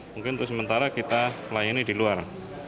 mungkin untuk sementara kita melayani di luar